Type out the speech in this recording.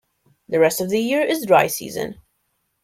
The rest of the year is dry season.